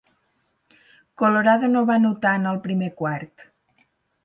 Colorado no va anotar en el primer quart.